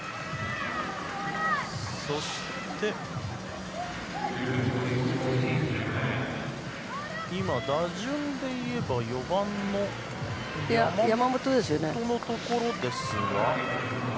そして今、打順でいえば４番の山本のところですが。